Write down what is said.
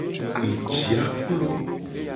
Ejia klo.